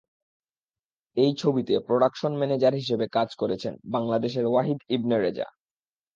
এই ছবিতে production manager হিসেবে কাজ করেছেন বাংলাদেশের ওয়াহিদ ইবনে রেজা।